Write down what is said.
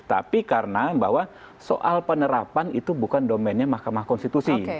tapi karena bahwa soal penerapan itu bukan domennya mahkamah konstitusi